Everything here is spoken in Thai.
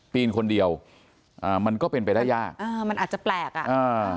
ปีนคนเดียวอ่ามันก็เป็นไปได้ยากอ่ามันอาจจะแปลกอ่ะอ่า